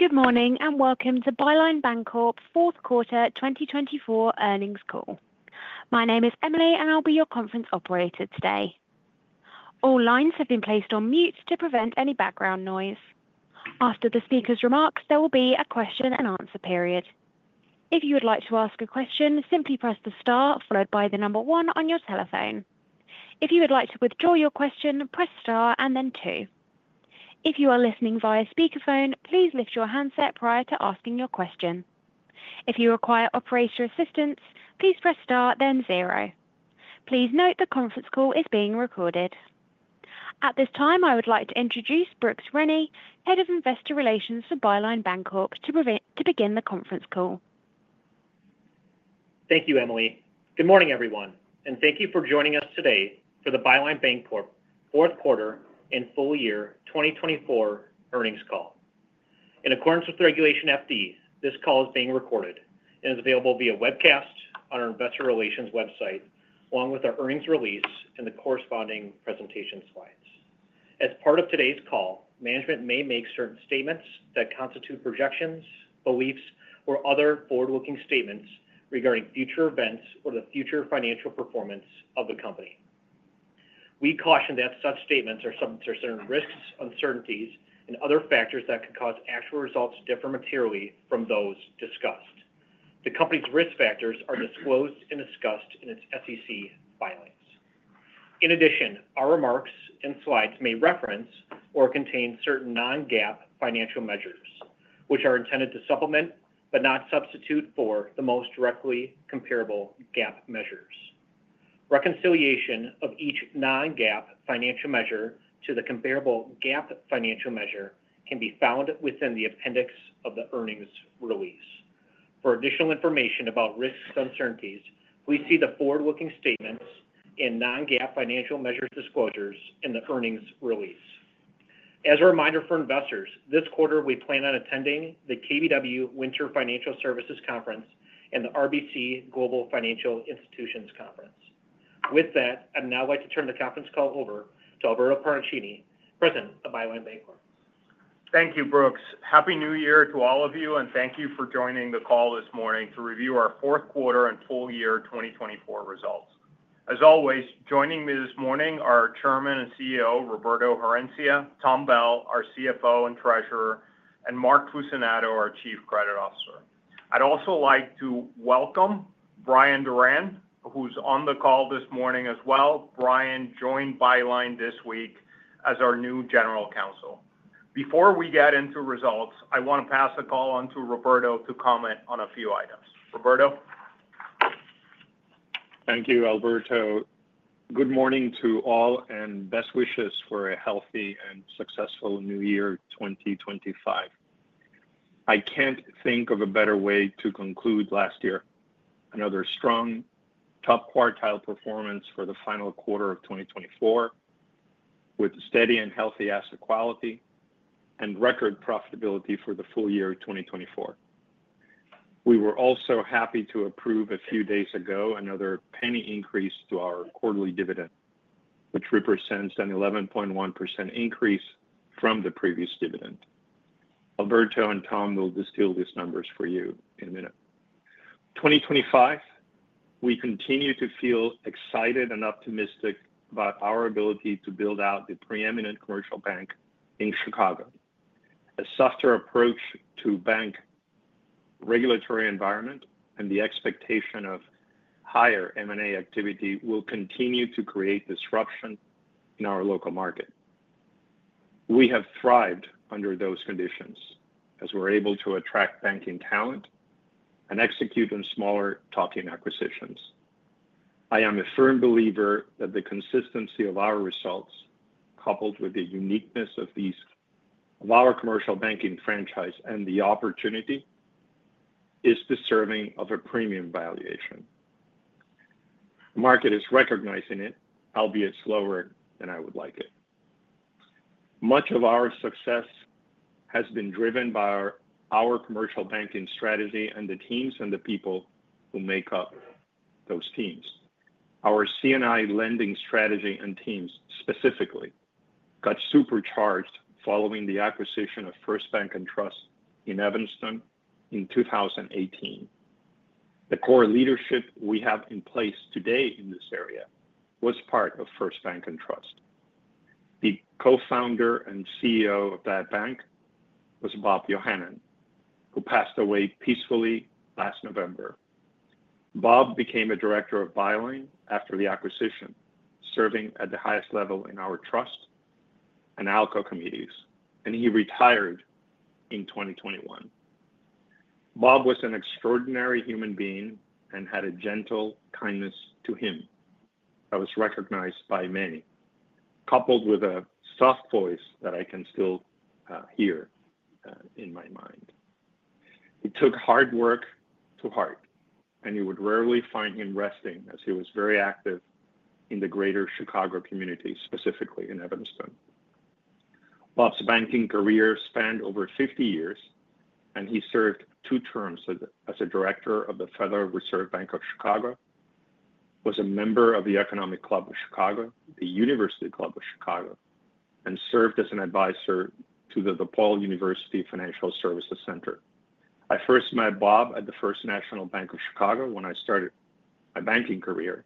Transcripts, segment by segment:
Good morning and welcome to Byline Bancorp's fourth quarter 2024 earnings call. My name is Emily, and I'll be your conference operator today. All lines have been placed on mute to prevent any background noise. After the speaker's remarks, there will be a question-and-answer period. If you would like to ask a question, simply press the star followed by the number one on your telephone. If you would like to withdraw your question, press star and then two. If you are listening via speakerphone, please lift your handset prior to asking your question. If you require operator assistance, please press star then zero. Please note the conference call is being recorded. At this time, I would like to introduce Brooks Rennie, Head of Investor Relations for Byline Bancorp, to begin the conference call. Thank you, Emily. Good morning, everyone, and thank you for joining us today for the Byline Bancorp fourth quarter and full year 2024 earnings call. In accordance with Regulation FD, this call is being recorded and is available via webcast on our Investor relations website, along with our earnings release and the corresponding presentation slides. As part of today's call, management may make certain statements that constitute projections, beliefs, or other forward-looking statements regarding future events or the future financial performance of the company. We caution that such statements are subject to certain risks, uncertainties, and other factors that could cause actual results to differ materially from those discussed. The company's risk factors are disclosed and discussed in its SEC filings. In addition, our remarks and slides may reference or contain certain non-GAAP financial measures, which are intended to supplement but not substitute for the most directly comparable GAAP measures. Reconciliation of each non-GAAP financial measure to the comparable GAAP financial measure can be found within the appendix of the earnings release. For additional information about risks and uncertainties, please see the forward-looking statements and non-GAAP financial measures disclosures in the earnings release. As a reminder for investors, this quarter we plan on attending the KBW Winter Financial Services Conference and the RBC Global Financial Institutions Conference. With that, I'd now like to turn the conference call over to Alberto Paracchini, President of Byline Bancorp. Thank you, Brooks. Happy New Year to all of you, and thank you for joining the call this morning to review our fourth quarter and full year 2024 results. As always, joining me this morning are Chairman and CEO Roberto Herencia, Tom Bell, our CFO and Treasurer, and Mark Fucinato, our Chief Credit Officer. I'd also like to welcome Brian Doran, who's on the call this morning as well. Brian joined Byline this week as our new General Counsel. Before we get into results, I want to pass the call on to Roberto to comment on a few items. Roberto. Thank you, Alberto. Good morning to all and best wishes for a healthy and successful New Year 2025. I can't think of a better way to conclude last year, another strong top quartile performance for the final quarter of 2024, with steady and healthy asset quality and record profitability for the full year 2024. We were also happy to approve a few days ago another penny increase to our quarterly dividend, which represents an 11.1% increase from the previous dividend. Alberto and Tom will distill these numbers for you in a minute. 2025, we continue to feel excited and optimistic about our ability to build out the preeminent commercial bank in Chicago. A softer approach to bank regulatory environment and the expectation of higher M&A activity will continue to create disruption in our local market. We have thrived under those conditions as we're able to attract banking talent and execute on smaller tuck-in acquisitions. I am a firm believer that the consistency of our results, coupled with the uniqueness of our Commercial Banking franchise and the opportunity, is deserving of a premium valuation. The market is recognizing it, albeit slower than I would like it. Much of our success has been driven by our Commercial Banking strategy and the teams and the people who make up those teams. Our C&I lending strategy and teams specifically got supercharged following the acquisition of First Bank & Trust in Evanston in 2018. The core leadership we have in place today in this area was part of First Bank & Trust. The Co-founder and CEO of that bank was Bob Yohanan, who passed away peacefully last November. Bob became a director of Byline after the acquisition, serving at the highest level in our trust and ALCO committees, and he retired in 2021. Bob was an extraordinary human being and had a gentle kindness to him that was recognized by many, coupled with a soft voice that I can still hear in my mind. He took hard work to heart, and you would rarely find him resting, as he was very active in the greater Chicago community, specifically in Evanston. Bob's banking career spanned over 50 years, and he served two terms as a director of the Federal Reserve Bank of Chicago, was a member of the Economic Club of Chicago, the University Club of Chicago, and served as an advisor to the DePaul University Financial Services Center. I first met Bob at the First National Bank of Chicago when I started my banking career,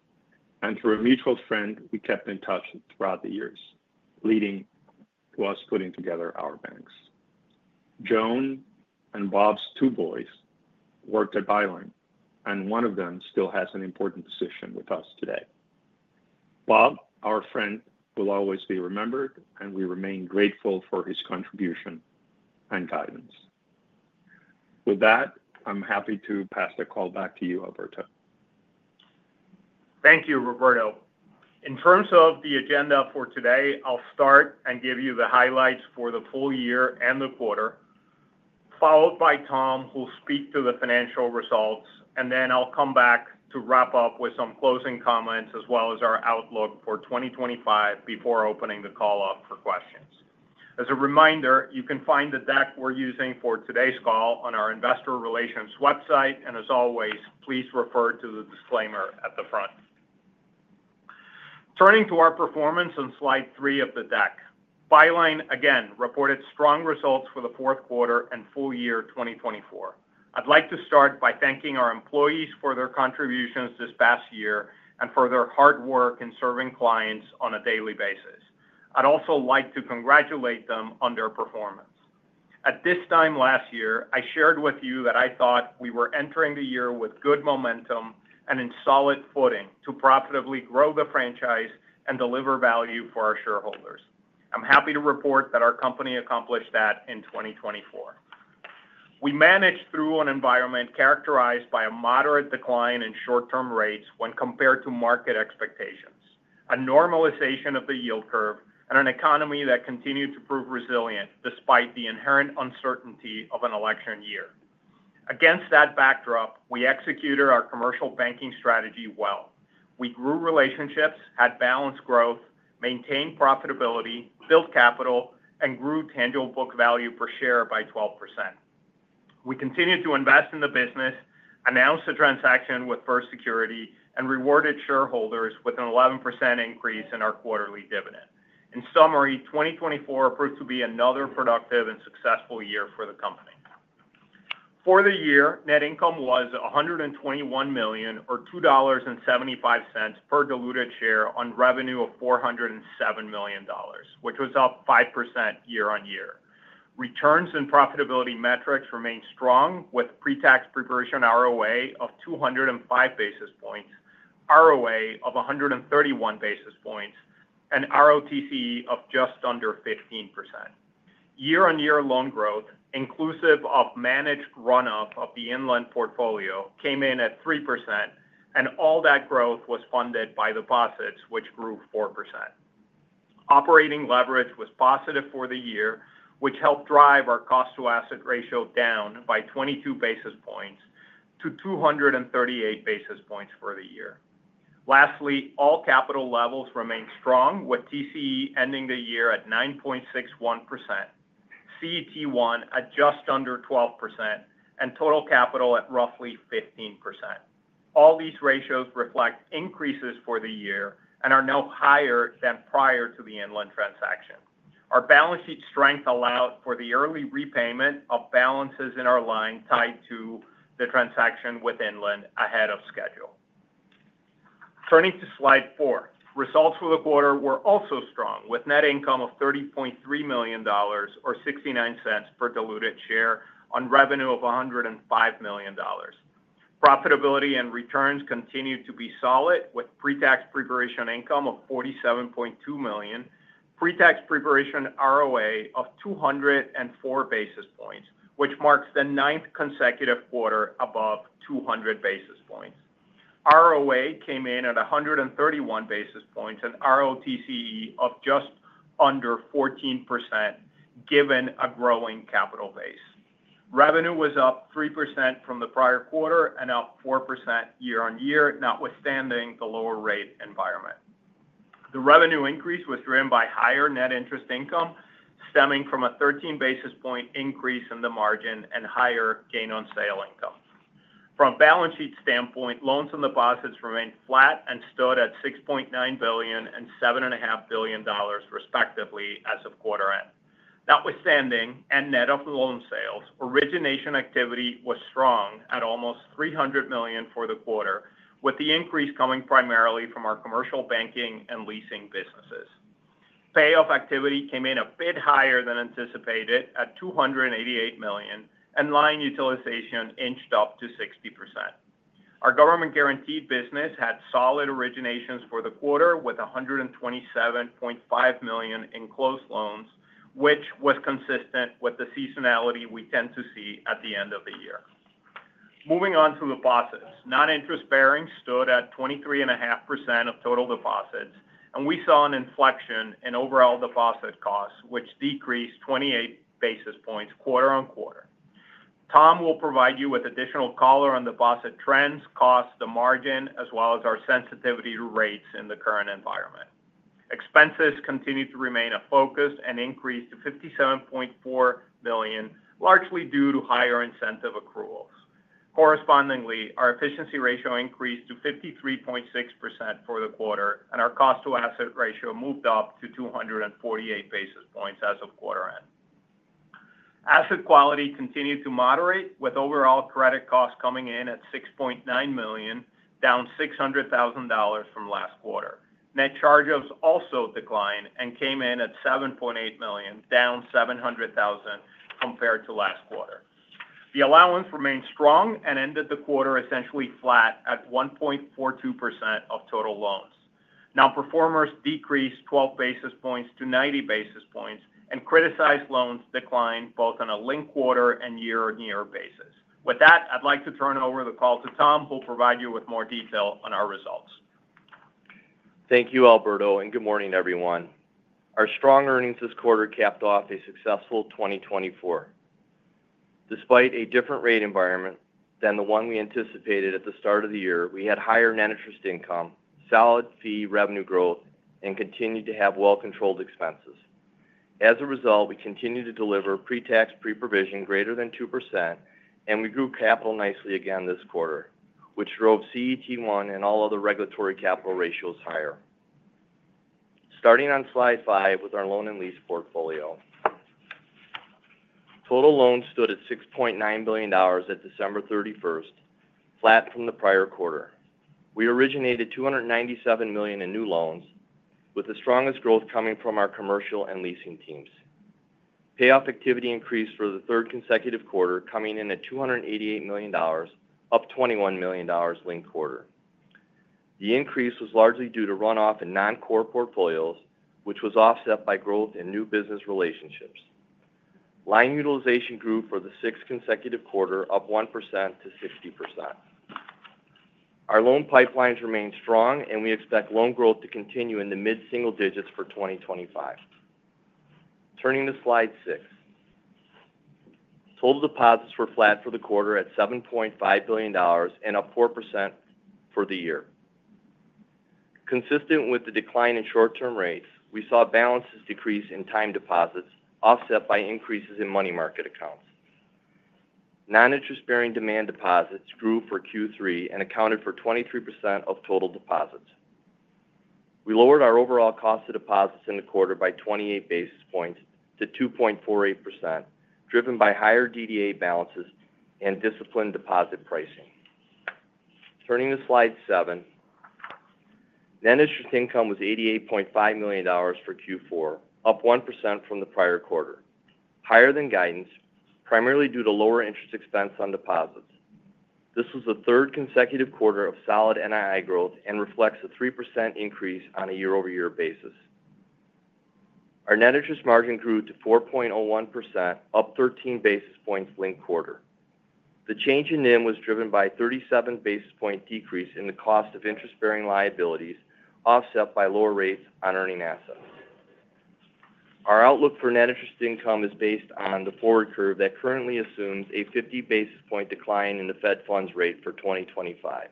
and through a mutual friend, we kept in touch throughout the years, leading to us putting together our banks. Joan and Bob's two boys worked at Byline and one of them still has an important position with us today. Bob, our friend, will always be remembered, and we remain grateful for his contribution and guidance. With that, I'm happy to pass the call back to you, Alberto. Thank you, Roberto. In terms of the agenda for today, I'll start and give you the highlights for the full year and the quarter, followed by Tom, who'll speak to the financial results, and then I'll come back to wrap up with some closing comments as well as our outlook for 2025 before opening the call up for questions. As a reminder, you can find the deck we're using for today's call on our Investor Relations website, and as always, please refer to the disclaimer at the front. Turning to our performance on slide three of the deck, Byline again reported strong results for the fourth quarter and full year 2024. I'd like to start by thanking our employees for their contributions this past year and for their hard work in serving clients on a daily basis. I'd also like to congratulate them on their performance. At this time last year, I shared with you that I thought we were entering the year with good momentum and in solid footing to profitably grow the franchise and deliver value for our shareholders. I'm happy to report that our company accomplished that in 2024. We managed through an environment characterized by a moderate decline in short-term rates when compared to market expectations, a normalization of the yield curve, and an economy that continued to prove resilient despite the inherent uncertainty of an election year. Against that backdrop, we executed our Commercial Banking strategy well. We grew relationships, had balanced growth, maintained profitability, built capital, and grew tangible book value per share by 12%. We continued to invest in the business, announced a transaction with First Security, and rewarded shareholders with an 11% increase in our quarterly dividend. In summary, 2024 proved to be another productive and successful year for the company. For the year, net income was $121 million, or $2.75 per diluted share on revenue of $407 million, which was up 5% year-on-year. Returns and profitability metrics remained strong with pre-tax, pre-provision ROA of 205 basis points, ROA of 131 basis points, and ROTC of just under 15%. Year-on-year loan growth, inclusive of managed run-up of the Inland portfolio, came in at 3%, and all that growth was funded by deposits, which grew 4%. Operating leverage was positive for the year, which helped drive our cost-to-asset ratio down by 22 basis points to 238 basis points for the year. Lastly, all capital levels remained strong, with TCE ending the year at 9.61%, CET1 at just under 12%, and total capital at roughly 15%. All these ratios reflect increases for the year and are now higher than prior to the Inland transaction. Our balance sheet strength allowed for the early repayment of balances in our line tied to the transaction with Inland ahead of schedule. Turning to slide four, results for the quarter were also strong, with net income of $30.3 million, or $0.69 per diluted share, on revenue of $105 million. Profitability and returns continued to be solid, with pre-tax pre-provision income of $47.2 million, pre-tax pre-provision ROA of 204 basis points, which marks the ninth consecutive quarter above 200 basis points. ROA came in at 131 basis points and ROTC of just under 14%, given a growing capital base. Revenue was up 3% from the prior quarter and up 4% year-on-year, notwithstanding the lower rate environment. The revenue increase was driven by higher net interest income stemming from a 13 basis points increase in the margin and higher gain on sale income. From a balance sheet standpoint, loans and deposits remained flat and stood at $6.9 billion and $7.5 billion, respectively, as of quarter end. Notwithstanding and net of loan sales, origination activity was strong at almost $300 million for the quarter, with the increase coming primarily from our Commercial Banking and leasing businesses. Payoff activity came in a bit higher than anticipated at $288 million, and line utilization inched up to 60%. Our government-guaranteed business had solid originations for the quarter with $127.5 million in closed loans, which was consistent with the seasonality we tend to see at the end of the year. Moving on to deposits, non-interest-bearing stood at 23.5% of total deposits, and we saw an inflection in overall deposit costs, which decreased 28 basis points quarter on quarter. Tom will provide you with additional color on deposit trends, costs, the margin, as well as our sensitivity to rates in the current environment. Expenses continued to remain focused and increased to $57.4 million, largely due to higher incentive accruals. Correspondingly, our efficiency ratio increased to 53.6% for the quarter, and our cost-to-asset ratio moved up to 248 basis points as of quarter end. Asset quality continued to moderate, with overall credit costs coming in at $6.9 million, down $600,000 from last quarter. Net charge-offs also declined and came in at $7.8 million, down $700,000 compared to last quarter. The allowance remained strong and ended the quarter essentially flat at 1.42% of total loans. loans decreased 12 basis points to 90 basis points, and criticized loans declined both on a linked-quarter and year-on-year basis. With that, I'd like to turn over the call to Tom, who'll provide you with more detail on our results. Thank you, Alberto, and good morning, everyone. Our strong earnings this quarter capped off a successful 2024. Despite a different rate environment than the one we anticipated at the start of the year, we had higher net interest income, solid fee revenue growth, and continued to have well-controlled expenses. As a result, we continued to deliver pre-tax pre-provision greater than 2%, and we grew capital nicely again this quarter, which drove CET1 and all other regulatory capital ratios higher. Starting on slide five with our loan and lease portfolio, total loans stood at $6.9 billion at December 31st, flat from the prior quarter. We originated $297 million in new loans, with the strongest growth coming from our commercial and leasing teams. Payoff activity increased for the third consecutive quarter, coming in at $288 million, up $21 million linked quarter. The increase was largely due to run-off in non-core portfolios, which was offset by growth in new business relationships. Line utilization grew for the sixth consecutive quarter, up 1% to 60%. Our loan pipelines remained strong, and we expect loan growth to continue in the mid-single digits for 2025. Turning to slide six, total deposits were flat for the quarter at $7.5 billion, and up 4% for the year. Consistent with the decline in short-term rates, we saw balances decrease in time deposits, offset by increases in money market accounts. Non-interest-bearing demand deposits grew for Q3 and accounted for 23% of total deposits. We lowered our overall cost of deposits in the quarter by 28 basis points to 2.48%, driven by higher DDA balances and disciplined deposit pricing. Turning to slide seven, net interest income was $88.5 million for Q4, up 1% from the prior quarter, higher than guidance, primarily due to lower interest expense on deposits. This was the third consecutive quarter of solid NII growth and reflects a 3% increase on a year-over-year basis. Our net interest margin grew to 4.01%, up 13 basis points linked quarter. The change in NIM was driven by a 37 basis point decrease in the cost of interest-bearing liabilities, offset by lower rates on earning assets. Our outlook for net interest income is based on the forward curve that currently assumes a 50 basis point decline in the Fed funds rate for 2025.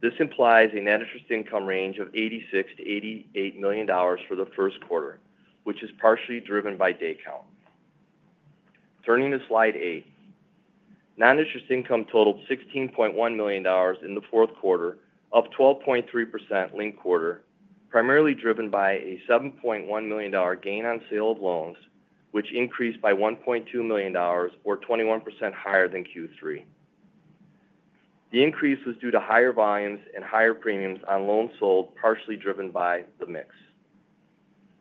This implies a net interest income range of $86 million-$88 million for the first quarter, which is partially driven by day count. Turning to slide eight, non-interest income totaled $16.1 million in the fourth quarter, up 12.3% linked quarter, primarily driven by a $7.1 million gain on sale of loans, which increased by $1.2 million, or 21% higher than Q3. The increase was due to higher volumes and higher premiums on loans sold, partially driven by the mix.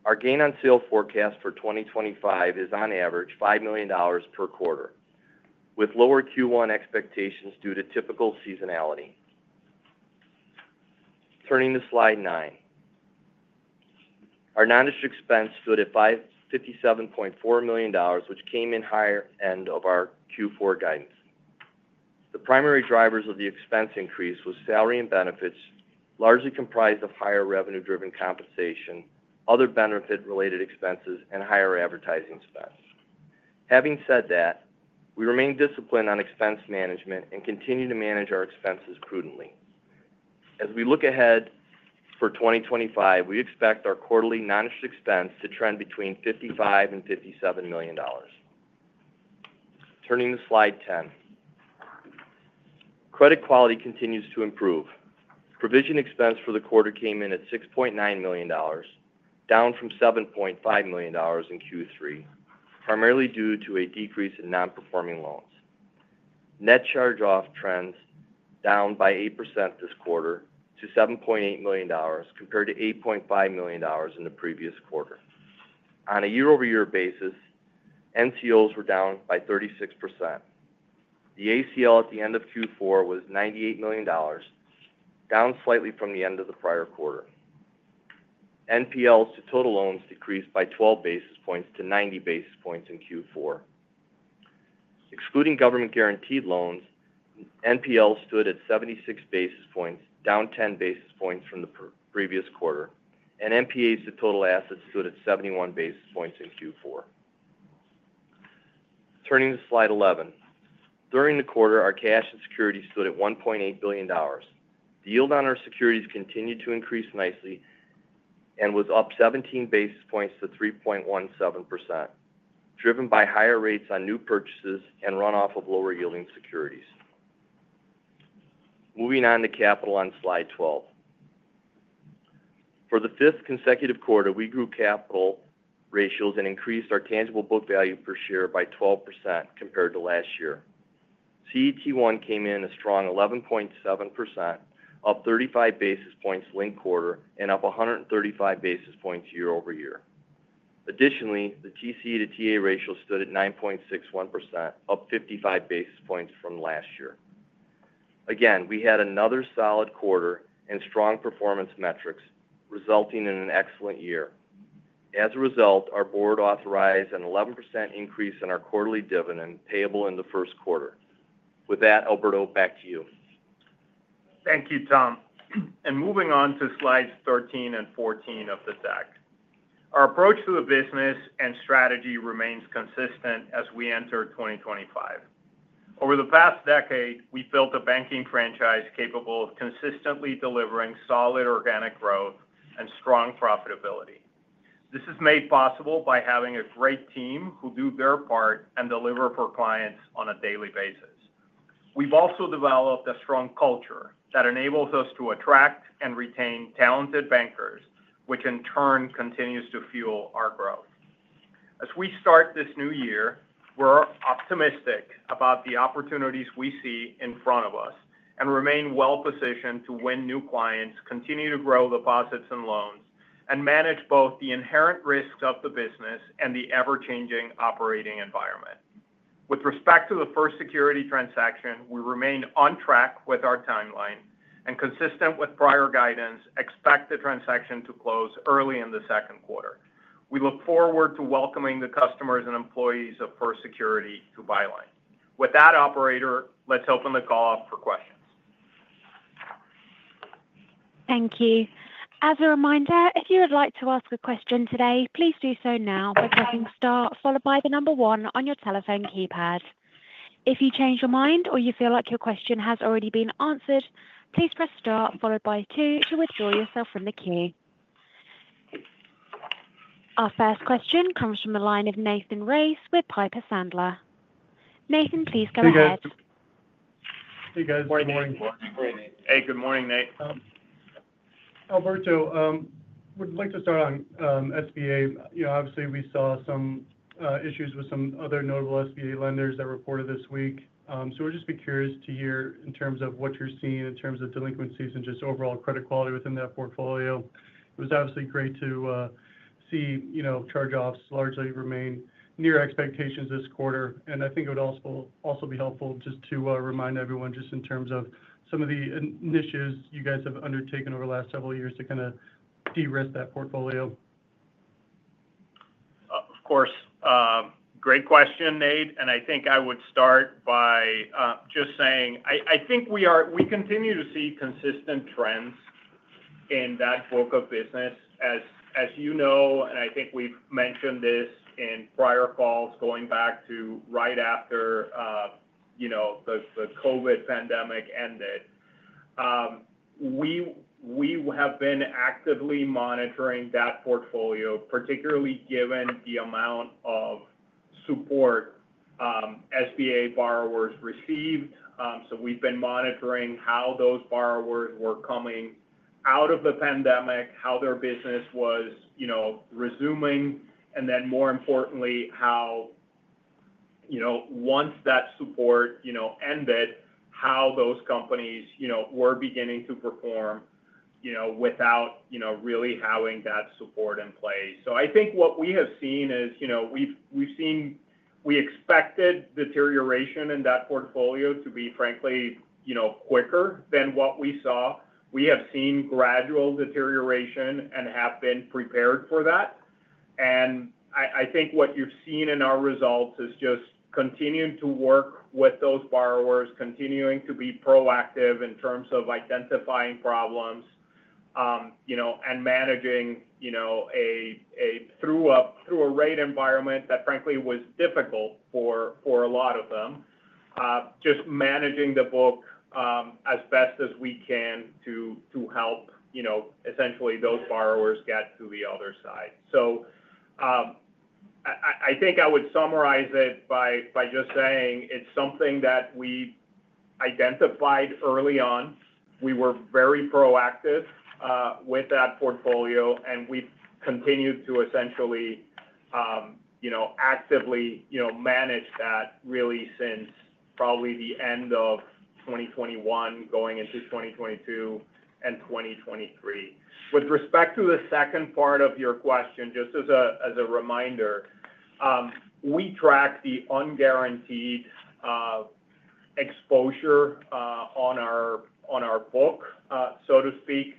Our gain on sale forecast for 2025 is, on average, $5 million per quarter, with lower Q1 expectations due to typical seasonality. Turning to slide nine, our non-interest expense stood at $57.4 million, which came in on the higher end of our Q4 guidance. The primary drivers of the expense increase were salary and benefits, largely comprised of higher revenue-driven compensation, other benefit-related expenses, and higher advertising spend. Having said that, we remain disciplined on expense management and continue to manage our expenses prudently. As we look ahead for 2025, we expect our quarterly non-interest expense to trend between $55 million-$57 million. Turning to slide ten, credit quality continues to improve. Provision expense for the quarter came in at $6.9 million, down from $7.5 million in Q3, primarily due to a decrease in non-performing loans. Net charge-off trends down by 8% this quarter to $7.8 million, compared to $8.5 million in the previous quarter. On a year-over-year basis, NCOs were down by 36%. The ACL at the end of Q4 was $98 million, down slightly from the end of the prior quarter. NPLs to total loans decreased by 12 basis points to 90 basis points in Q4. Excluding government-guaranteed loans, NPLs stood at 76 basis points, down 10 basis points from the previous quarter, and NPAs to total assets stood at 71 basis points in Q4. Turning to slide 11, during the quarter, our cash and securities stood at $1.8 billion. The yield on our securities continued to increase nicely and was up 17 basis points to 3.17%, driven by higher rates on new purchases and run-off of lower-yielding securities. Moving on to capital on slide 12. For the fifth consecutive quarter, we grew capital ratios and increased our tangible book value per share by 12% compared to last year. CET1 came in at a strong 11.7%, up 35 basis points linked quarter and up 135 basis points year-over-year. Additionally, the TCE to TA ratio stood at 9.61%, up 55 basis points from last year. Again, we had another solid quarter and strong performance metrics, resulting in an excellent year. As a result, our board authorized an 11% increase in our quarterly dividend payable in the first quarter. With that, Alberto, back to you. Thank you, Tom, and moving on to slides 13 and 14 of the deck. Our approach to the business and strategy remains consistent as we enter 2025. Over the past decade, we built a banking franchise capable of consistently delivering solid organic growth and strong profitability. This is made possible by having a great team who do their part and deliver for clients on a daily basis. We've also developed a strong culture that enables us to attract and retain talented bankers, which in turn continues to fuel our growth. As we start this new year, we're optimistic about the opportunities we see in front of us and remain well-positioned to win new clients, continue to grow deposits and loans, and manage both the inherent risks of the business and the ever-changing operating environment. With respect to the First Security transaction, we remain on track with our timeline and consistent with prior guidance, expect the transaction to close early in the second quarter. We look forward to welcoming the customers and employees of First Security to Byline. With that, operator. Let's open the call up for questions. Thank you. As a reminder, if you would like to ask a question today, please do so now by pressing star, followed by the number one on your telephone keypad. If you change your mind or you feel like your question has already been answered, please press star, followed by two to withdraw yourself from the queue. Our first question comes from the line of Nathan Race with Piper Sandler. Nathan, please go ahead. Hey, guys. Good morning. Hey, good morning, Nate. Alberto, we'd like to start on SBA. Obviously, we saw some issues with some other notable SBA lenders that reported this week. So we'll just be curious to hear in terms of what you're seeing in terms of delinquencies and just overall credit quality within that portfolio. It was obviously great to see charge-offs largely remain near expectations this quarter. And I think it would also be helpful just to remind everyone just in terms of some of the initiatives you guys have undertaken over the last several years to kind of de-risk that portfolio. Of course. Great question, Nate, and I think I would start by just saying I think we continue to see consistent trends in that book of business, as you know, and I think we've mentioned this in prior calls going back to right after the COVID pandemic ended. We have been actively monitoring that portfolio, particularly given the amount of support SBA borrowers received, so we've been monitoring how those borrowers were coming out of the pandemic, how their business was resuming, and then, more importantly, how once that support ended, how those companies were beginning to perform without really having that support in place, so I think what we have seen is we expected deterioration in that portfolio to be, frankly, quicker than what we saw. We have seen gradual deterioration and have been prepared for that. I think what you've seen in our results is just continuing to work with those borrowers, continuing to be proactive in terms of identifying problems and managing through a rate environment that, frankly, was difficult for a lot of them, just managing the book as best as we can to help essentially those borrowers get to the other side. I think I would summarize it by just saying it's something that we identified early on. We were very proactive with that portfolio, and we've continued to essentially actively manage that really since probably the end of 2021, going into 2022 and 2023. With respect to the second part of your question, just as a reminder, we track the unguaranteed exposure on our book, so to speak.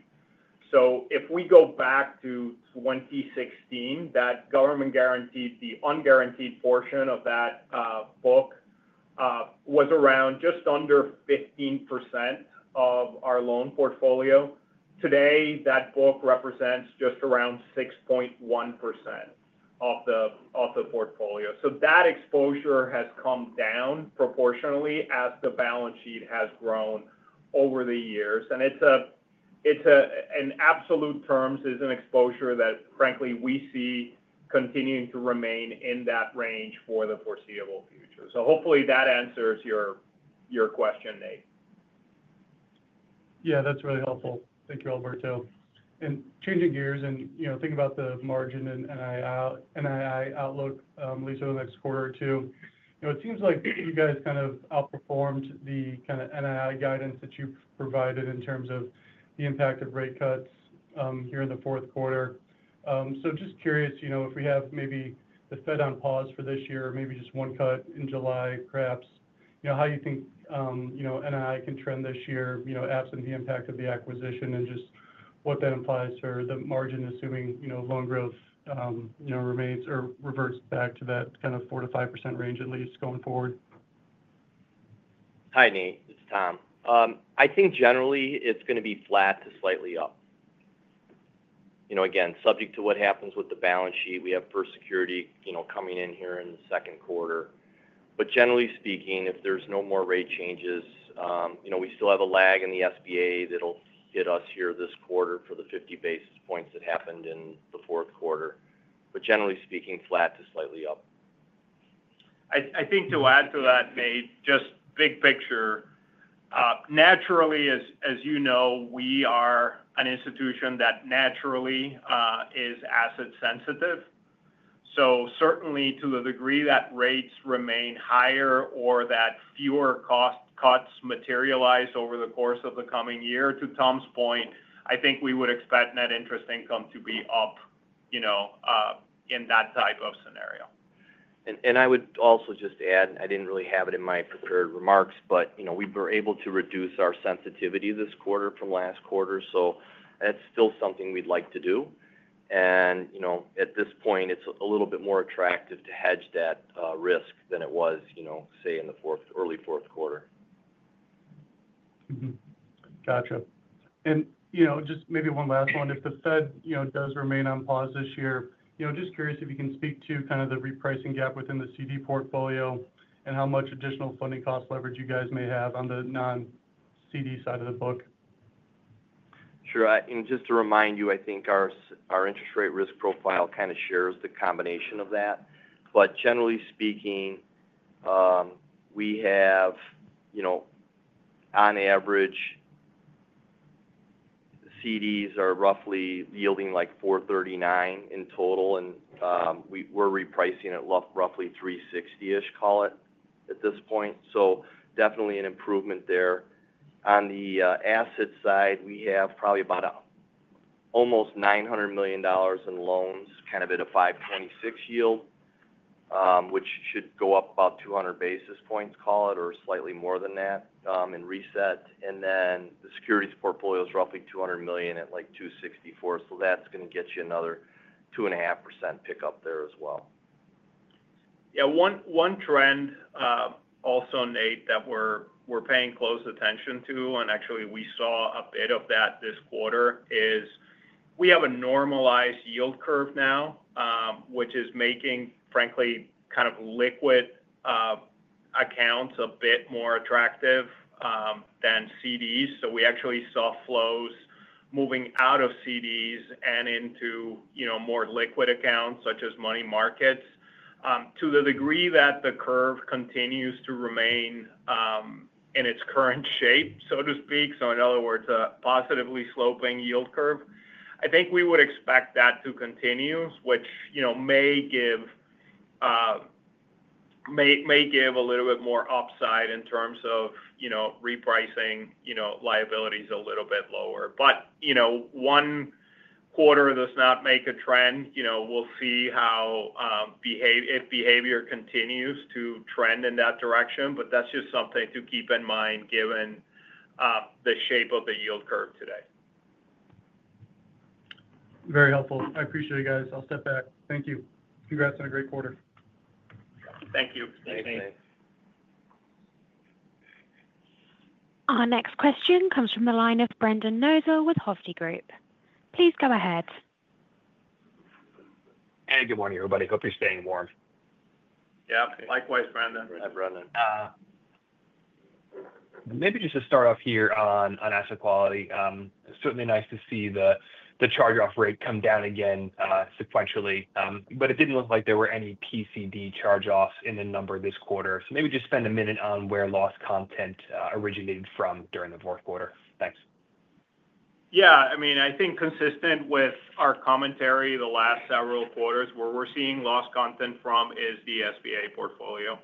So if we go back to 2016, that government-guaranteed, the unguaranteed portion of that book was around just under 15% of our loan portfolio. Today, that book represents just around 6.1% of the portfolio. So that exposure has come down proportionally as the balance sheet has grown over the years. And in absolute terms, it's an exposure that, frankly, we see continuing to remain in that range for the foreseeable future. So hopefully, that answers your question, Nate. Yeah, that's really helpful. Thank you, Alberto, and changing gears and thinking about the margin and NII outlook, at least over the next quarter or two, it seems like you guys kind of outperformed the kind of NII guidance that you've provided in terms of the impact of rate cuts here in the fourth quarter. So just curious if we have maybe the Fed on pause for this year, maybe just one cut in July, perhaps, how you think NII can trend this year absent the impact of the acquisition and just what that implies for the margin, assuming loan growth remains or reverts back to that kind of 4%-5% range, at least going forward? Hi, Nate. It's Tom. I think, generally, it's going to be flat to slightly up. Again, subject to what happens with the balance sheet, we have First Security coming in here in the second quarter. But generally speaking, if there's no more rate changes, we still have a lag in the SBA that'll hit us here this quarter for the 50 basis points that happened in the fourth quarter. But generally speaking, flat to slightly up. I think to add to that, Nate, just big picture, naturally, as you know, we are an institution that naturally is asset-sensitive. So certainly, to the degree that rates remain higher or that fewer cuts materialize over the course of the coming year, to Tom's point, I think we would expect net interest income to be up in that type of scenario. And I would also just add, I didn't really have it in my prepared remarks, but we were able to reduce our sensitivity this quarter from last quarter. So that's still something we'd like to do. And at this point, it's a little bit more attractive to hedge that risk than it was, say, in the early fourth quarter. Gotcha. And just maybe one last one. If the Fed does remain on pause this year, just curious if you can speak to kind of the repricing gap within the CD portfolio and how much additional funding cost leverage you guys may have on the non-CD side of the book? Sure. And just to remind you, I think our interest rate risk profile kind of shares the combination of that. But generally speaking, we have, on average, CDs are roughly yielding like 4.39% in total, and we're repricing at roughly 3.60%-ish, call it, at this point. So definitely an improvement there. On the asset side, we have probably about almost $900 million in loans, kind of at a 5.26% yield, which should go up about 200 basis points, call it, or slightly more than that in reset. And then the securities portfolio is roughly $200 million at like 2.64%. So that's going to get you another 2.5% pickup there as well. Yeah. One trend also, Nate, that we're paying close attention to, and actually we saw a bit of that this quarter, is we have a normalized yield curve now, which is making, frankly, kind of liquid accounts a bit more attractive than CDs. So we actually saw flows moving out of CDs and into more liquid accounts such as money markets to the degree that the curve continues to remain in its current shape, so to speak. So in other words, a positively sloping yield curve. I think we would expect that to continue, which may give a little bit more upside in terms of repricing liabilities a little bit lower. But one quarter does not make a trend. We'll see if behavior continues to trend in that direction, but that's just something to keep in mind given the shape of the yield curve today. Very helpful. I appreciate it, guys. I'll step back. Thank you. Congrats on a great quarter. Thank you. Thanks, Nate. Our next question comes from the line of Brendan Nosal with Hovde Group. Please go ahead. Hey, good morning, everybody. Hope you're staying warm. Yeah. Likewise, Brendan. Hi, Brendan. Maybe just to start off here on asset quality, it's certainly nice to see the charge-off rate come down again sequentially, but it didn't look like there were any PCD charge-offs in the number this quarter. So maybe just spend a minute on where loss content originated from during the fourth quarter. Thanks. Yeah. I mean, I think consistent with our commentary, the last several quarters, where we're seeing loss content from is the SBA portfolio,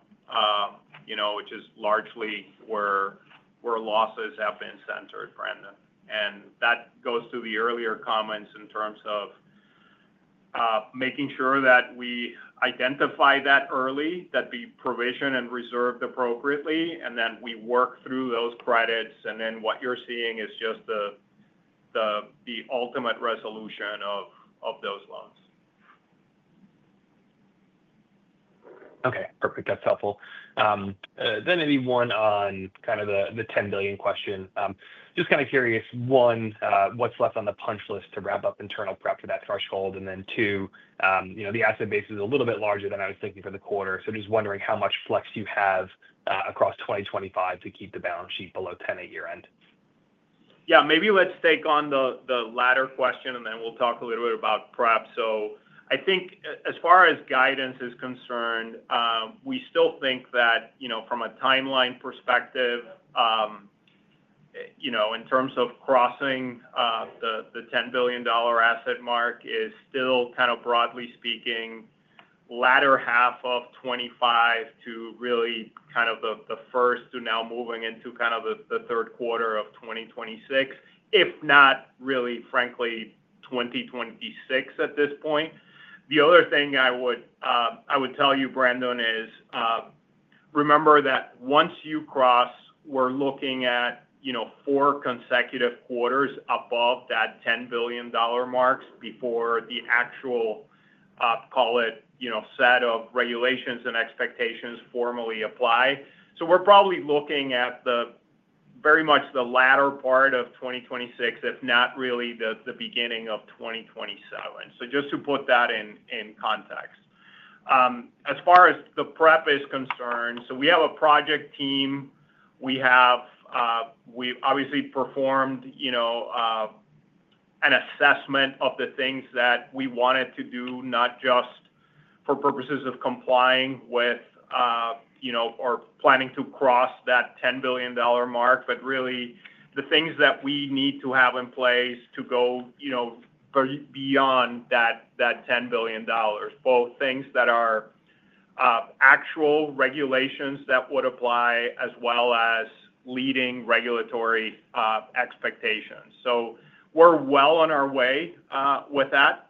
which is largely where losses have been centered, Brendan. And that goes to the earlier comments in terms of making sure that we identify that early, that we provision and reserve appropriately, and then we work through those credits. And then what you're seeing is just the ultimate resolution of those loans. Okay. Perfect. That's helpful. Then maybe one on kind of the $10 billion question. Just kind of curious, one, what's left on the punch list to wrap up internal prep to that threshold? And then two, the asset base is a little bit larger than I was thinking for the quarter. So just wondering how much flex you have across 2025 to keep the balance sheet below $10 billion at year-end. Yeah. Maybe let's take on the latter question, and then we'll talk a little bit about prep. So I think as far as guidance is concerned, we still think that from a timeline perspective, in terms of crossing the $10 billion asset mark, is still kind of, broadly speaking, latter half of 2025 to really kind of the first to now moving into kind of the third quarter of 2026, if not really, frankly, 2026 at this point. The other thing I would tell you, Brendan, is remember that once you cross, we're looking at four consecutive quarters above that $10 billion mark before the actual, call it, set of regulations and expectations formally apply. So we're probably looking at very much the latter part of 2026, if not really the beginning of 2027. So just to put that in context. As far as the prep is concerned, so we have a project team. We have obviously performed an assessment of the things that we wanted to do, not just for purposes of complying with or planning to cross that $10 billion mark, but really the things that we need to have in place to go beyond that $10 billion, both things that are actual regulations that would apply as well as leading regulatory expectations, so we're well on our way with that.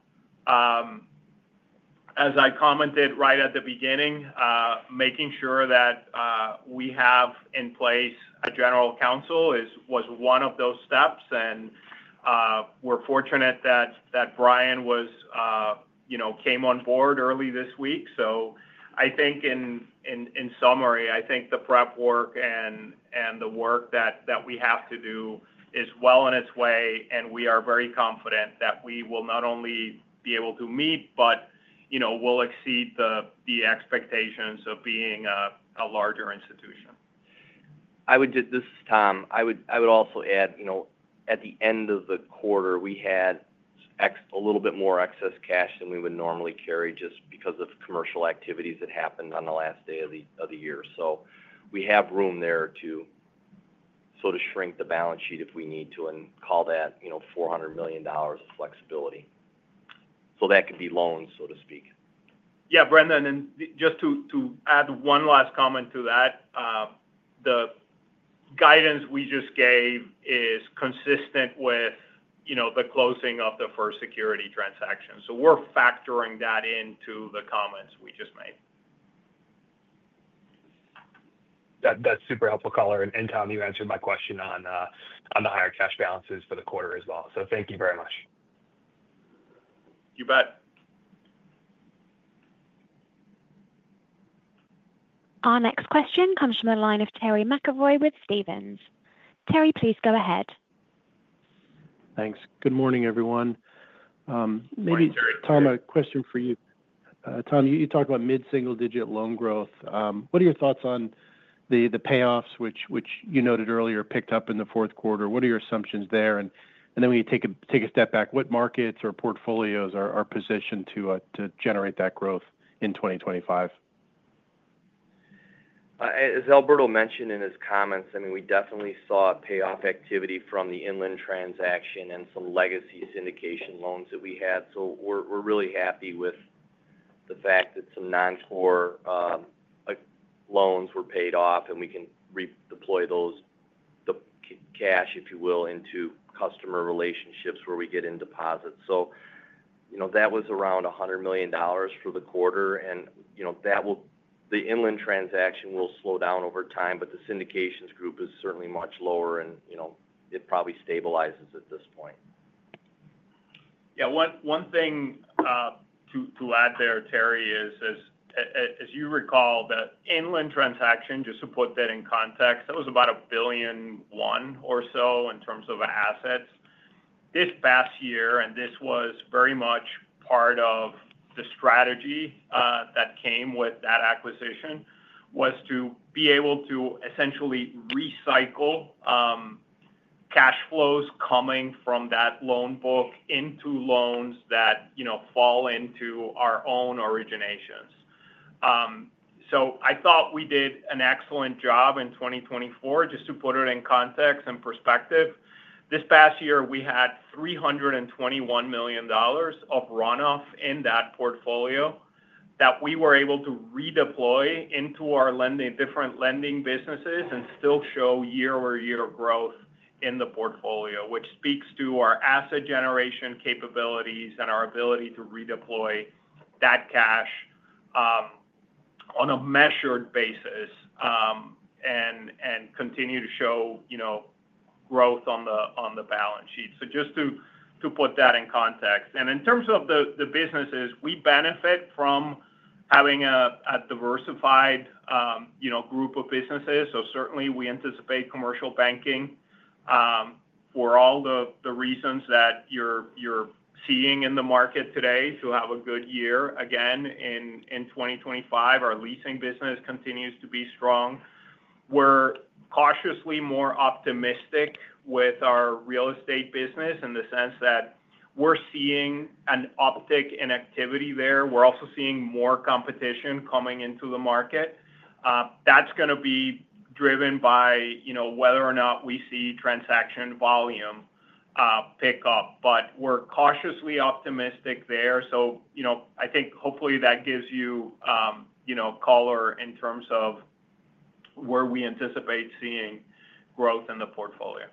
As I commented right at the beginning, making sure that we have in place a general counsel was one of those steps, and we're fortunate that Brian came on board early this week. So I think in summary, I think the prep work and the work that we have to do is well on its way, and we are very confident that we will not only be able to meet, but we'll exceed the expectations of being a larger institution. I would just—this is Tom. I would also add, at the end of the quarter, we had a little bit more excess cash than we would normally carry just because of commercial activities that happened on the last day of the year. So we have room there to sort of shrink the balance sheet if we need to and call that $400 million of flexibility. So that could be loans, so to speak. Yeah, Brendan. And just to add one last comment to that, the guidance we just gave is consistent with the closing of the First Security transaction. So we're factoring that into the comments we just made. That's super helpful color, and Tom. You answered my question on the higher cash balances for the quarter as well. So thank you very much. You bet. Our next question comes from the line of Terry McEvoy with Stephens. Terry, please go ahead. Thanks. Good morning, everyone. Good morning, Terry. Maybe Tom, a question for you. Tom, you talked about mid-single-digit loan growth. What are your thoughts on the payoffs, which you noted earlier picked up in the fourth quarter? What are your assumptions there? And then when you take a step back, what markets or portfolios are positioned to generate that growth in 2025? As Alberto mentioned in his comments, I mean, we definitely saw payoff activity from the Inland transaction and some legacy syndication loans that we had, so we're really happy with the fact that some non-core loans were paid off, and we can redeploy those cash, if you will, into customer relationships where we get in deposits, so that was around $100 million for the quarter, and the Inland transaction will slow down over time, but the syndications group is certainly much lower, and it probably stabilizes at this point. Yeah. One thing to add there, Terry, is as you recall, the Inland transaction, just to put that in context, that was about a billion one or so in terms of assets. This past year, and this was very much part of the strategy that came with that acquisition, was to be able to essentially recycle cash flows coming from that loan book into loans that fall into our own originations. So I thought we did an excellent job in 2024, just to put it in context and perspective. This past year, we had $321 million of runoff in that portfolio that we were able to redeploy into our different lending businesses and still show year-over-year growth in the portfolio, which speaks to our asset generation capabilities and our ability to redeploy that cash on a measured basis and continue to show growth on the balance sheet. So just to put that in context, and in terms of the businesses, we benefit from having a diversified group of businesses, so certainly, we anticipate Commercial Banking for all the reasons that you're seeing in the market today to have a good year again in 2025. Our leasing business continues to be strong. We're cautiously more optimistic with our real estate business in the sense that we're seeing an uptick in activity there. We're also seeing more competition coming into the market. That's going to be driven by whether or not we see transaction volume pickup, but we're cautiously optimistic there, so I think hopefully that gives you color in terms of where we anticipate seeing growth in the portfolio.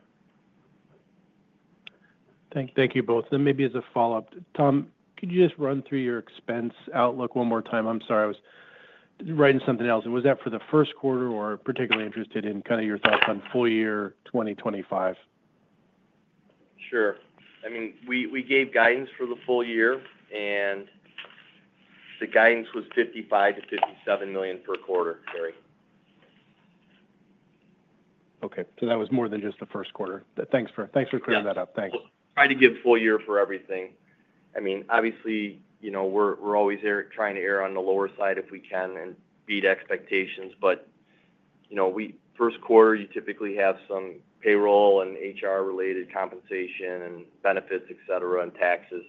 Thank you both. And maybe as a follow-up, Tom, could you just run through your expense outlook one more time? I'm sorry, I was writing something else. Was that for the first quarter or particularly interested in kind of your thoughts on full year 2025? Sure. I mean, we gave guidance for the full year, and the guidance was $55 million-$57 million per quarter, Terry. Okay. So that was more than just the first quarter. Thanks for clearing that up. Thanks. We try to give full year for everything. I mean, obviously, we're always trying to err on the lower side if we can and beat expectations. But first quarter, you typically have some payroll and HR-related compensation and benefits, etc., and taxes.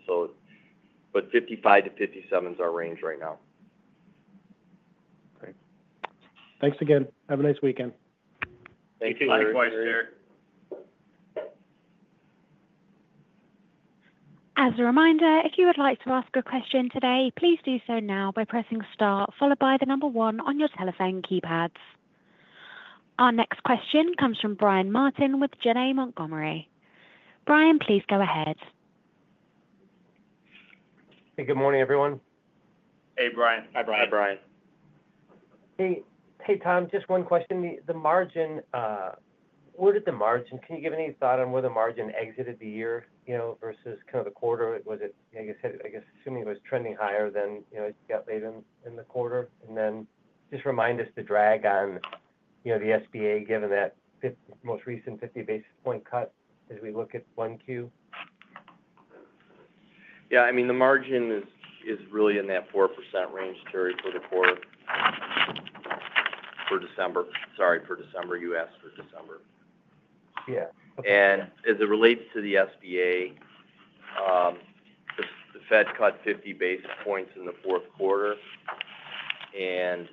But $55 million-$57 million is our range right now. Great. Thanks again. Have a nice weekend. Thank you. You too. Likewise, Terry. As a reminder, if you would like to ask a question today, please do so now by pressing star, followed by the number one on your telephone keypads. Our next question comes from Brian Martin with Janney Montgomery. Brian, please go ahead. Hey, good morning, everyone. Hey, Brian. Hi, Brian. Hi, Brian. Hey, Tom, just one question. The margin, can you give any thought on where the margin exited the year versus kind of the quarter? Was it, like I said, I guess assuming it was trending higher than it got later in the quarter? And then just remind us the drag on the SBA, given that most recent 50 basis point cut as we look at 1Q. Yeah. I mean, the margin is really in that 4% range, Terry, for the quarter for December. Sorry, fourth quarter for December. Yeah. And as it relates to the SBA, the Fed cut 50 basis points in the fourth quarter, and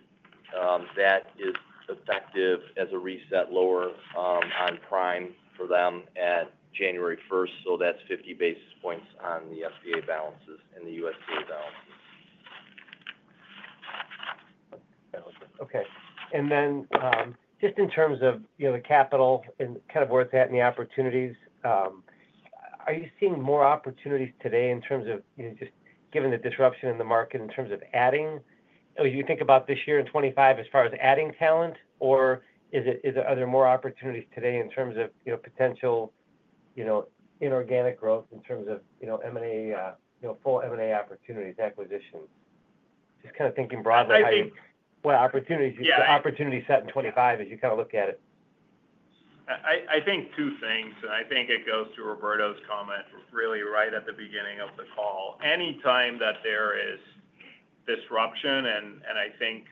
that is effective as a reset lower on prime for them at January 1st. So that's 50 basis points on the SBA balances and the USDA balances. Okay. And then just in terms of the capital and kind of where it's at in the opportunities, are you seeing more opportunities today in terms of just given the disruption in the market in terms of adding? You think about this year in 2025 as far as adding talent, or are there more opportunities today in terms of potential inorganic growth in terms of M&A, full M&A opportunities, acquisitions? Just kind of thinking broadly. I think. Opportunities set in 2025 as you kind of look at it. I think two things, and I think it goes to Roberto's comment really right at the beginning of the call. Anytime that there is disruption, and I think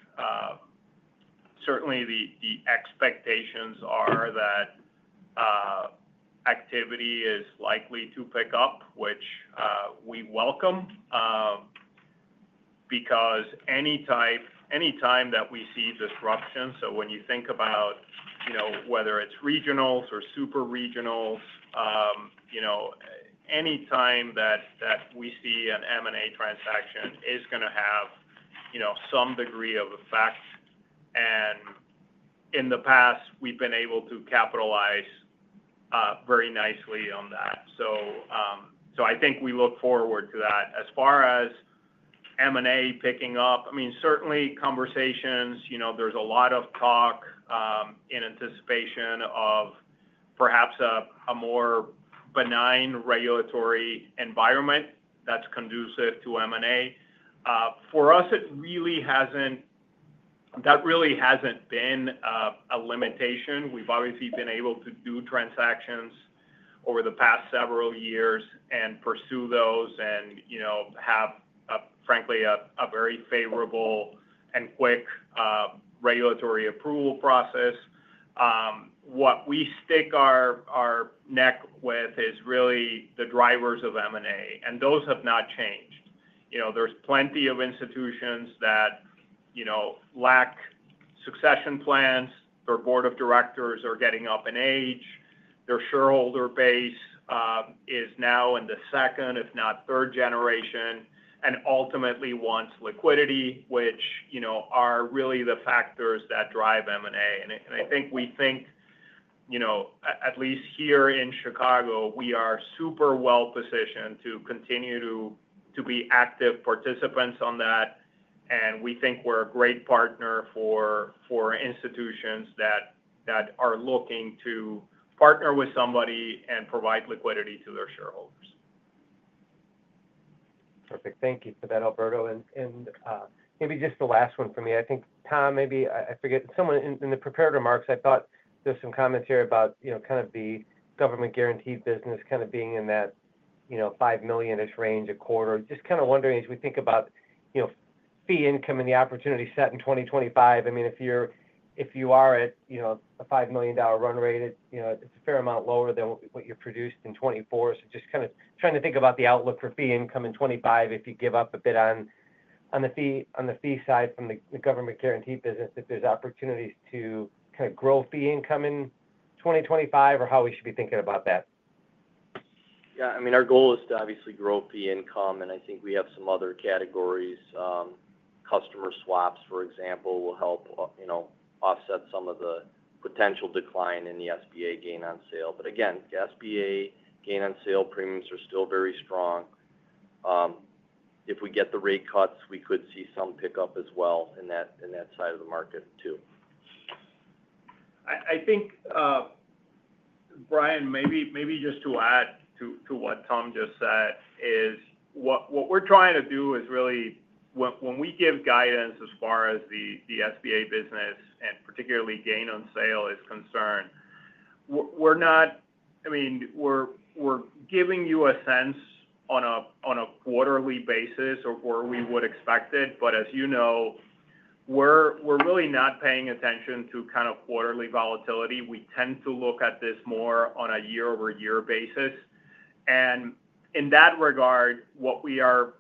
certainly the expectations are that activity is likely to pick up, which we welcome because any time that we see disruption, so when you think about whether it's regionals or super regionals, anytime that we see an M&A transaction is going to have some degree of effect, and in the past, we've been able to capitalize very nicely on that, so I think we look forward to that. As far as M&A picking up, I mean, certainly conversations, there's a lot of talk in anticipation of perhaps a more benign regulatory environment that's conducive to M&A. For us, it really hasn't, that really hasn't been a limitation. We've obviously been able to do transactions over the past several years and pursue those and have, frankly, a very favorable and quick regulatory approval process. What we stick our neck out with is really the drivers of M&A, and those have not changed. There's plenty of institutions that lack succession plans. Their board of directors are getting up in age. Their shareholder base is now in the second, if not third generation, and ultimately wants liquidity, which are really the factors that drive M&A. And I think we think, at least here in Chicago, we are super well positioned to continue to be active participants on that. And we think we're a great partner for institutions that are looking to partner with somebody and provide liquidity to their shareholders. Perfect. Thank you for that, Alberto. And maybe just the last one for me. I think, Tom, maybe I forget someone in the prepared remarks. I thought there's some comments here about kind of the government guaranteed business kind of being in that $5 million-ish range a quarter. Just kind of wondering, as we think about fee income and the opportunity set in 2025, I mean, if you are at a $5 million run rate, it's a fair amount lower than what you produced in 2024. So just kind of trying to think about the outlook for fee income in 2025, if you give up a bit on the fee side from the government guaranteed business, if there's opportunities to kind of grow fee income in 2025, or how we should be thinking about that. Yeah. I mean, our goal is to obviously grow fee income, and I think we have some other categories. Customer swaps, for example, will help offset some of the potential decline in the SBA gain on sale. But again, SBA gain on sale premiums are still very strong. If we get the rate cuts, we could see some pickup as well in that side of the market too. I think, Brian, maybe just to add to what Tom just said is what we're trying to do is really, when we give guidance as far as the SBA business and particularly gain on sale is concerned, we're not, I mean, we're giving you a sense on a quarterly basis or where we would expect it. But as you know, we're really not paying attention to kind of quarterly volatility. We tend to look at this more on a year-over-year basis. And in that regard, what we are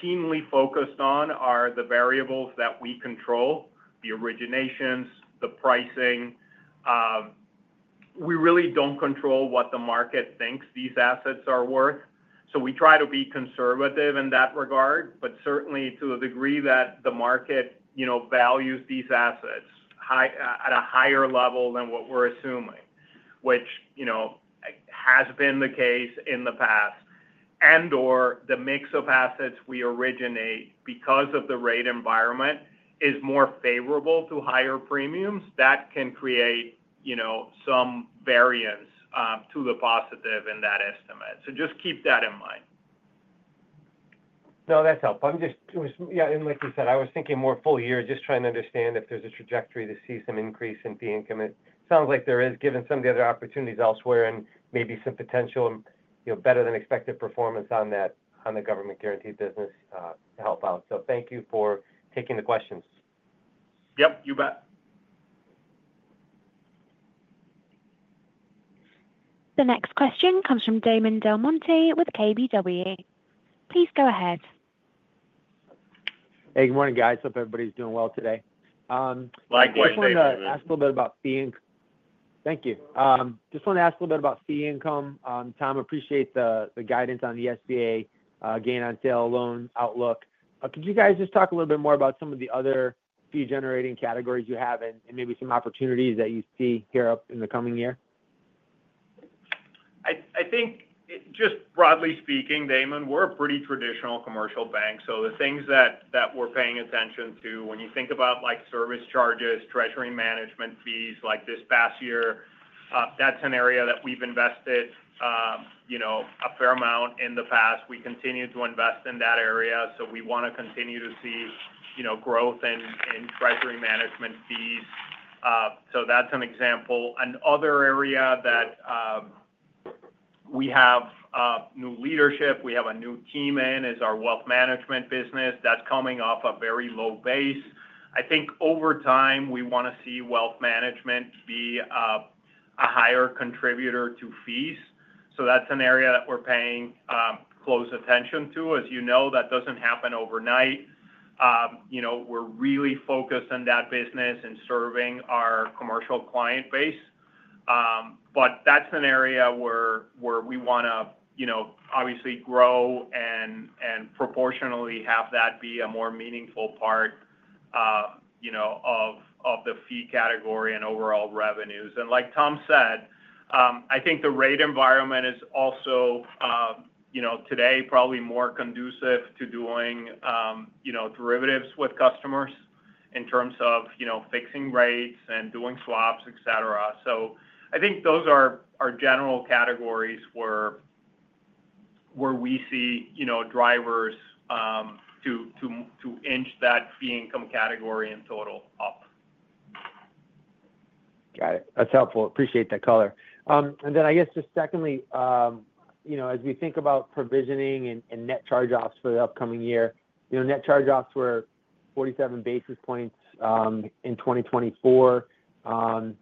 keenly focused on are the variables that we control, the originations, the pricing. We really don't control what the market thinks these assets are worth. So we try to be conservative in that regard, but certainly to the degree that the market values these assets at a higher level than what we're assuming, which has been the case in the past, and/or the mix of assets we originate because of the rate environment is more favorable to higher premiums, that can create some variance to the positive in that estimate. So just keep that in mind. No, that's helpful. Yeah. And like you said, I was thinking more full year, just trying to understand if there's a trajectory to see some increase in fee income. It sounds like there is, given some of the other opportunities elsewhere and maybe some potential better-than-expected performance on that government guaranteed business to help out. So thank you for taking the questions. Yep. You bet. The next question comes from Damon DelMonte with KBW. Please go ahead. Hey, good morning, guys. Hope everybody's doing well today. Likewise, Terry. Thank you. Just wanted to ask a little bit about fee income. Tom, appreciate the guidance on the SBA gain on sale loan outlook. Could you guys just talk a little bit more about some of the other fee-generating categories you have and maybe some opportunities that you see here up in the coming year? I think just broadly speaking, Damon, we're a pretty traditional commercial bank. So the things that we're paying attention to, when you think about service charges, treasury management fees, like this past year, that's an area that we've invested a fair amount in the past. We continue to invest in that area. So we want to continue to see growth in treasury management fees. So that's an example. Another area that we have new leadership, we have a new team in, is our wealth management business that's coming off a very low base. I think over time, we want to see wealth management be a higher contributor to fees. So that's an area that we're paying close attention to. As you know, that doesn't happen overnight. We're really focused on that business and serving our commercial client base. But that's an area where we want to obviously grow and proportionally have that be a more meaningful part of the fee category and overall revenues. And like Tom said, I think the rate environment is also today probably more conducive to doing derivatives with customers in terms of fixing rates and doing swaps, etc. So I think those are general categories where we see drivers to inch that fee income category in total up. Got it. That's helpful. Appreciate the color, and then I guess just secondly, as we think about provisioning and net charge-offs for the upcoming year, net charge-offs were 47 basis points in 2024. Do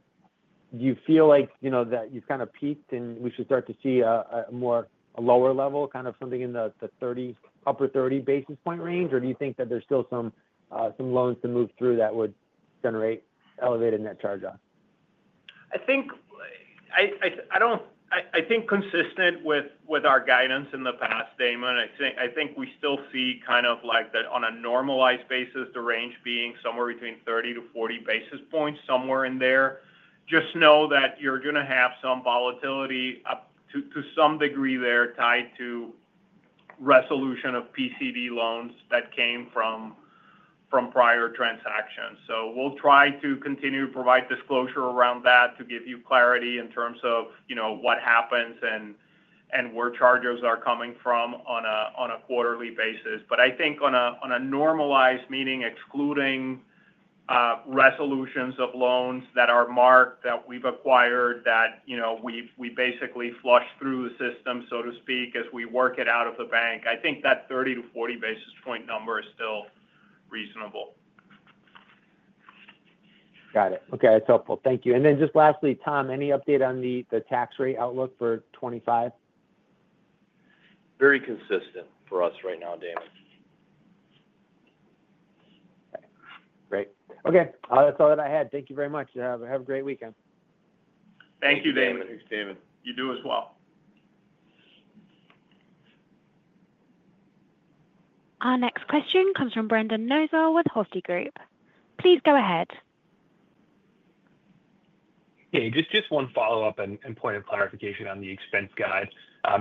you feel like that you've kind of peaked and we should start to see a lower level, kind of something in the upper 30 basis point range, or do you think that there's still some loans to move through that would generate elevated net charge-off? I think, consistent with our guidance in the past, Damon, I think we still see, kind of on a normalized basis, the range being somewhere between 30 basis points-40 basis points, somewhere in there. Just know that you're going to have some volatility to some degree there tied to resolution of PCD loans that came from prior transactions, so we'll try to continue to provide disclosure around that to give you clarity in terms of what happens and where charges are coming from on a quarterly basis, but I think on a normalized basis, excluding resolutions of loans that are marked that we've acquired, that we basically flush through the system, so to speak, as we work it out of the bank, I think that 30 basis points-40 basis point number is still reasonable. Got it. Okay. That's helpful. Thank you. And then just lastly, Tom, any update on the tax rate outlook for 2025? Very consistent for us right now, Damon. Okay. Great. Okay. That's all that I had. Thank you very much. Have a great weekend. Thank you, Damon. You do as well. Our next question comes from Brendan Nosal with Hovde Group. Please go ahead. Hey, just one follow-up and point of clarification on the expense guide.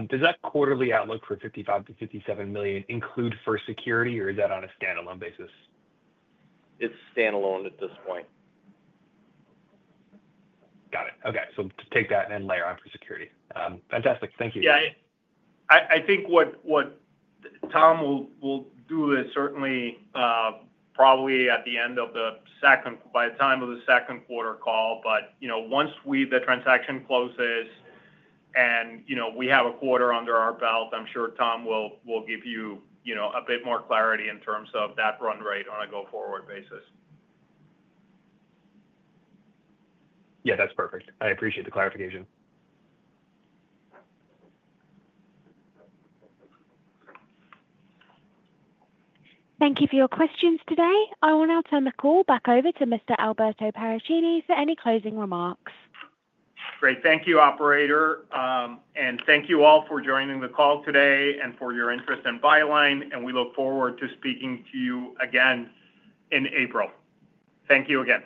Does that quarterly outlook for $55 million-$57 million include First Security, or is that on a standalone basis? It's standalone at this point. Got it. Okay. So take that and then layer on First Security. Fantastic. Thank you. Yeah. I think what Tom will do is certainly probably at the end of the second, by the time of the second quarter call. But once the transaction closes and we have a quarter under our belt, I'm sure Tom will give you a bit more clarity in terms of that run rate on a go-forward basis. Yeah. That's perfect. I appreciate the clarification. Thank you for your questions today. I will now turn the call back over to Mr. Alberto Paracchini for any closing remarks. Great. Thank you, operator. And thank you all for joining the call today and for your interest in Byline. And we look forward to speaking to you again in April. Thank you again.